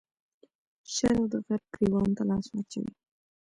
شرق د غرب ګرېوان ته لاس واچوي.